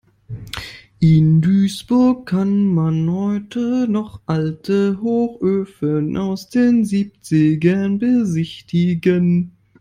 In Duisburg kann man heute noch alte Hochöfen aus den Siebzigern besichtigen.